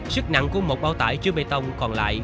sức nặng của một bao tải chứa bê tông còn lại